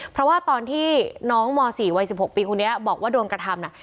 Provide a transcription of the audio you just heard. เพราะว่าตอนที่น้องมอสี่วัยสิบหกปีครูเนี้ยบอกว่าโดนกระทำน่ะ